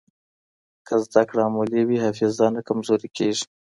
که زده کړه عملي وي، حافظه نه کمزورې کېږي.